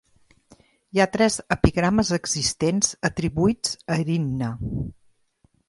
Hi ha tres epigrames existents atribuïts a Erinna.